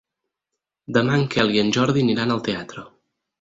Demà en Quel i en Jordi aniran al teatre.